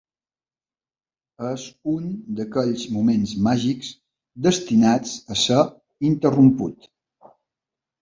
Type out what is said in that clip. És un d'aquells moments màgics destinats a ser interromput.